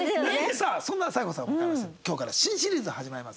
そんな紗栄子さんを迎えまして今日から新シリーズ始まります。